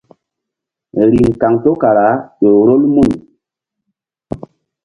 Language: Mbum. Riŋ kaŋto kara ƴo rol mun.